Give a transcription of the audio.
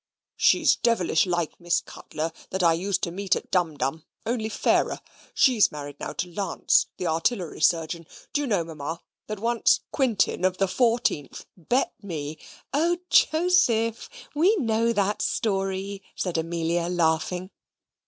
"She's devilish like Miss Cutler that I used to meet at Dumdum, only fairer. She's married now to Lance, the Artillery Surgeon. Do you know, Ma'am, that once Quintin, of the 14th, bet me " "O Joseph, we know that story," said Amelia, laughing.